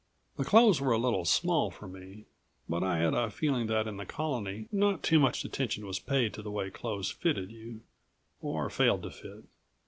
The clothes were a little small for me, but I had a feeling that in the Colony not too much attention was paid to the way clothes fitted you or failed to fit.